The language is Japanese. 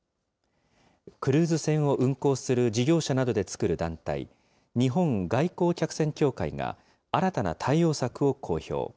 クルーズ船を運航する事業者などで作る団体、日本外航客船協会が、新たな対応策を公表。